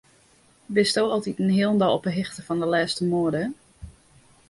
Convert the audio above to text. Bisto altiten hielendal op 'e hichte fan de lêste moade?